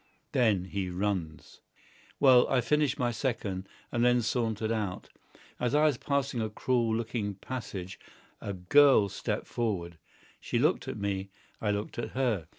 Then he runs. Well, I finished my second, and then sauntered out. As I was passing a cruel looking passage, a girl stepped forward. She looked at me. I looked at her.